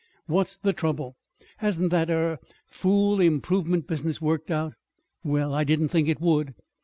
"What's the trouble? Hasn't that er fool improvement business worked out? Well, I didn't think it would!"